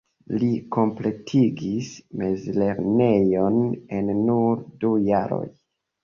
Li kompletigis mezlernejon en nur du jaroj.